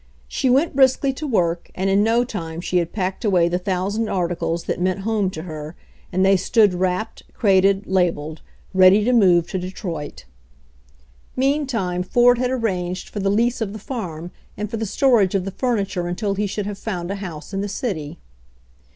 She went briskly to work and in no time she had packed away the thousand articles that meant home to her and they stood wrapped, crated, la beled, ready to move to Detroit Meantime Ford had arranged for the lease of the farm and for the storage of the furniture un til he should have found a house in the city.